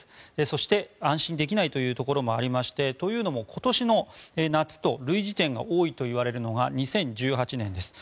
そして、安心できないというところもありましてというのも今年の夏と類似点が多いといわれるのが２０１８年です。